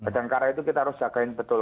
karena itu kita harus jagain betul